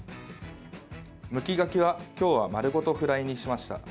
むきガキは今日は丸ごとフライにしました。